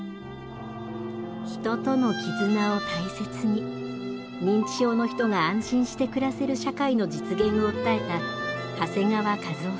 人との絆を大切に認知症の人が安心して暮らせる社会の実現を訴えた長谷川和夫さん。